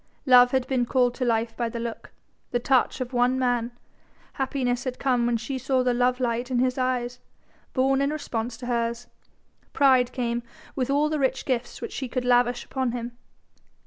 Love had been called to life by the look, the touch of one man, happiness had come when she saw the love light in his eyes, born in response to hers: pride came with all the rich gifts which she could lavish upon him.